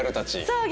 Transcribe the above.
そう。